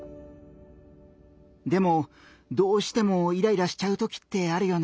でもどうしてもイライラしちゃうときってあるよね？